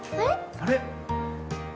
あれ？